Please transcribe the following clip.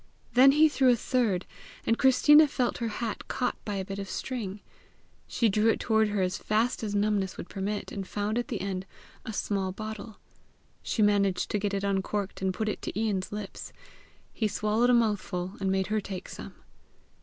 Then he threw a third, and Christina felt her hat caught by a bit of string. She drew it toward her as fast as numbness would permit, and found at the end a small bottle. She managed to get it uncorked, and put it to Ian's lips. He swallowed a mouthful, and made her take some.